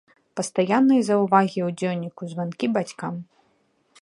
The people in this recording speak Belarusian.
Пастаянныя заўвагі ў дзённіку, званкі бацькам.